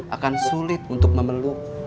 akan sulit untuk memeluk